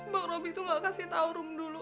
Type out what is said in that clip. bang robi tuh gak kasih tau rum dulu